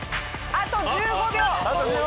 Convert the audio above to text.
あと１５秒！